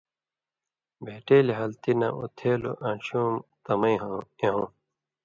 بھېٹیلیۡ حالتی نہ اُتھیۡلُوں آنڇھیُوں تَمئ اېوں